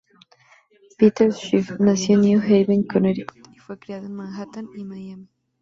Peter Schiff nació en New Haven, Connecticut y fue criado en Manhattan y Miami.